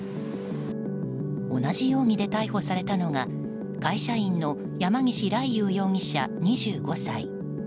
同じ容疑で逮捕されたのが会社員の山岸莉夕容疑者、２５歳。